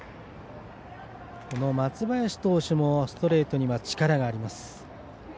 この松林投手もストレートには力があります。